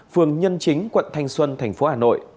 phường nhân chính quận thanh xuân thành phố hà nội